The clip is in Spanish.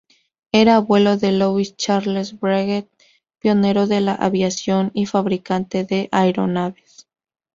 Era abuelo de Louis Charles Breguet, pionero de la aviación y fabricante de aeronaves.